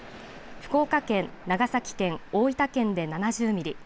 福岡県、長崎県、大分県で７０ミリ。